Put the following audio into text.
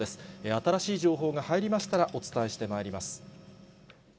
新しい情報が入りましたらお伝えしてまいります。